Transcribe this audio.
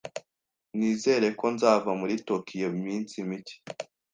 Nizere ko nzava muri Tokiyo iminsi mike.